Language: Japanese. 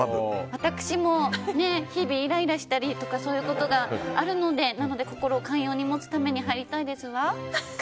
私も、日々イライラしたりとかそういうことがあるので心を寛容に持つために入りたいですわ。